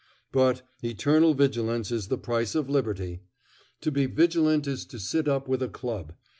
But eternal vigilance is the price of liberty! To be vigilant is to sit up with a club.